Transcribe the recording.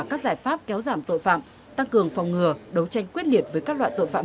các giải pháp kéo giảm tội phạm tăng cường phòng ngừa đấu tranh quyết liệt với các loại tội phạm